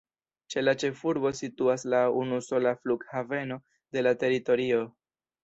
Ĉe la ĉefurbo situas la unusola flughaveno de la teritorio.